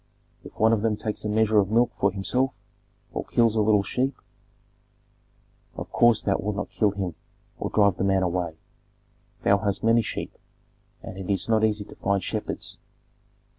If one of them takes a measure of milk for himself, or kills a little sheep, of course thou wilt not kill him or drive the man away. Thou hast many sheep, and it is not easy to find shepherds."